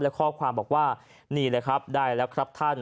และข้อความบอกว่านี่แหละครับได้แล้วครับท่าน